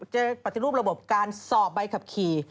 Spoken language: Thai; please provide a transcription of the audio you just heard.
จะปฏิรูประบบการสอบใบขับขี่